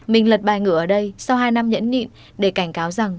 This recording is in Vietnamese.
mình lật bài ngựa ở đây sau hai năm nhẫn nhịn để cảnh cáo rằng